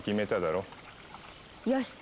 よし！